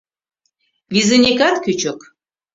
Визынекат кӱчык.